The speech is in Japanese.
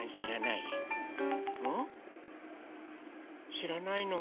しらないの。